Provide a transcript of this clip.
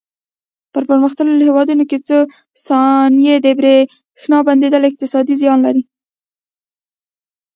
په پرمختللو هېوادونو کې څو ثانیې د برېښنا بندېدل اقتصادي زیان لري.